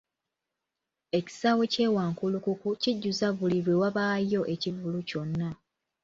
Ekisaawe ky'e Wankulukuku kijjuza buli lwe wabaayo ekivvulu kyonna.